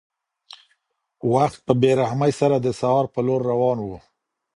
وخت په بې رحمۍ سره د سهار په لور روان و.